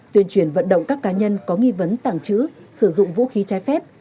tuyên truyền vận động các cá nhân có nghi vấn tàng trữ sử dụng vũ khí trái phép